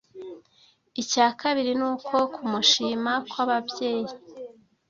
Icya kabiri ni uko kumushima kw’ababyeyi